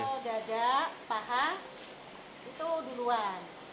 ke dada paha itu duluan